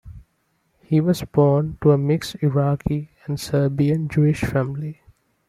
He was born to a mixed Iraqi and Serbian Jewish family.